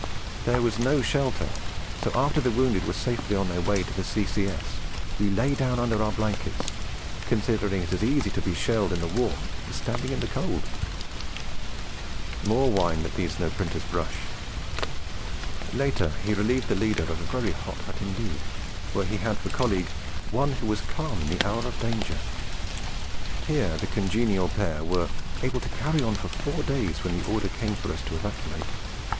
There was no shelter, so after the wounded were safely on their way to a C.C.S. we lay down in our blankets, considering it as easy to be shelled in the warm as standing in the cold' more wine that needs no printer's bush. Later, he relieved the leader of a very hot hut indeed, where he had for colleague 'one who was calm in the hour of danger.' Here the congenial pair 'were able to carry on for four days, when the order came for us to evacuate.